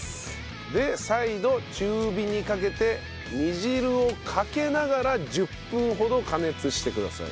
で再度中火にかけて煮汁をかけながら１０分ほど加熱してください。